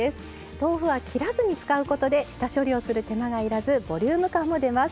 豆腐は切らずに使うことで下処理をする手間が要らずボリューム感も出ます。